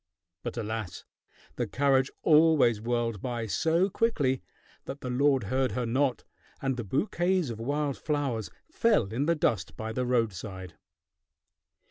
But alas! The carriage always whirled by so quickly that the lord heard her not, and the bouquets of wild flowers fell in the dust by the roadside.